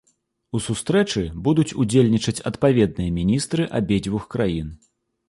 У сустрэчы будуць удзельнічаць адпаведныя міністры абедзвюх краін.